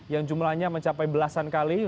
yang jumlahnya mencapai belasan kali